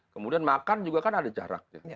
kemudian makan juga kan ada jaraknya